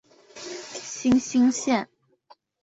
新兴线